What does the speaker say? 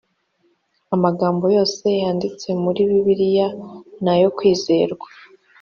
amagambo yose yanditse muri bibiliya nayo kwizerwa